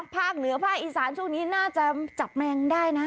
ภาคเหนือภาคอีสานช่วงนี้น่าจะจับแมงได้นะ